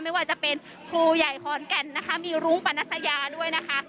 ไม่ว่าจะเป็นครูใหญ่ขอนแก่นนะคะมีรุ้งปนัสยาด้วยนะคะ